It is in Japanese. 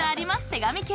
手紙系］